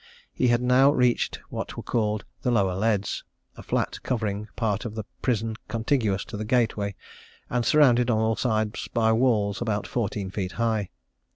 He had now reached what were called the Lower Leads a flat, covering a part of the prison contiguous to the gateway, and surrounded on all sides by walls about fourteen feet high.